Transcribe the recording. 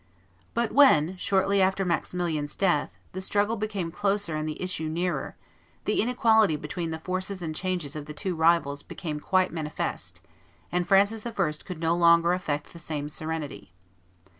But when, shortly after Maximilian's death, the struggle became closer and the issue nearer, the inequality between the forces and chances of the two rivals became quite manifest, and Francis I. could no longer affect the same serenity.